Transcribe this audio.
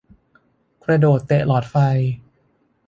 กระโดดเตะหลอดไฟ